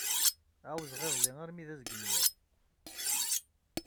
Ɛawzeɣ iḍelli armi d azgen-iḍ.